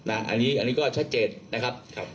อันนี้ก็ชัดเจนนะครับ